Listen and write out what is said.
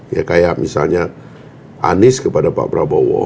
ya kayak misalnya anies kepada pak prabowo